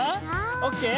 オッケー？